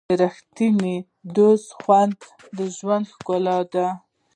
د ریښتیني دوست خوند د ژوند ښکلا ده.